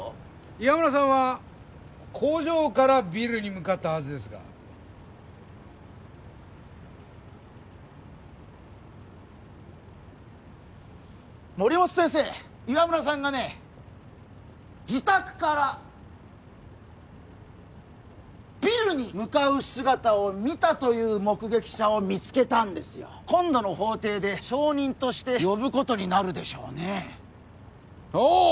岩村さんは工場からビルに向かったはずですが森本先生岩村さんがね自宅からビルに向かう姿を見たという目撃者を見つけたんですよ今度の法廷で証人として呼ぶことになるでしょうねおう！